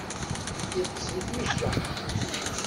Iṭṭes di tmejja.